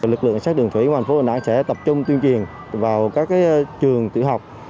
lực lượng sát đường thủy của thành phố hồ nạn sẽ tập trung tuyên truyền vào các trường tự học